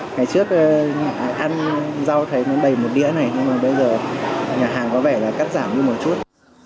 ngày trước ăn rau thấy nó đầy một đĩa này nhưng mà bây giờ nhà hàng có vẻ là cắt giảm như một chút